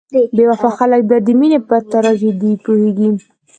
بې وفا خلک بیا د مینې په تراژیدۍ پوهیږي.